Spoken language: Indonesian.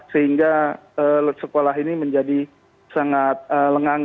sehingga sekolah ini menjadi sangat lengang